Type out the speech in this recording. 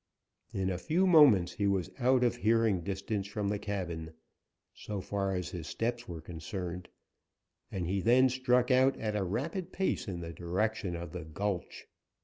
In a few moments he was out of hearing distance from the cabin, so far as his steps were concerned, and he then struck out at a rapid pace in the direction of the gulch.